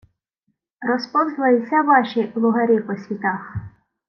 — Розповзлися ваші лугарі по світах.